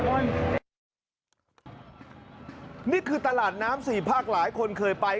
หลายคนนี่คือตลาดน้ำสี่ภาคนเคยไป